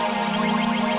beberapa hari kemudian